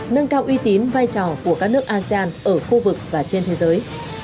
nâng cao uy tín vai trò của các nước asean ở khu vực và trên thế giới